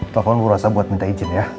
telepon bu rosa buat minta izin ya